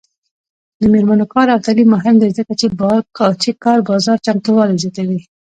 د میرمنو کار او تعلیم مهم دی ځکه چې کار بازار چمتووالي زیاتوي.